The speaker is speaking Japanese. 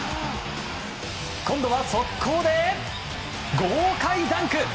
今度は速攻で豪快ダンク！